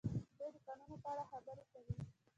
دوی د کانونو په اړه خبرې کوي.